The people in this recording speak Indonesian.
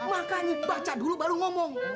makanya baca dulu baru ngomong